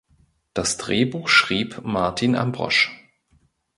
Das Drehbuch schrieb Martin Ambrosch.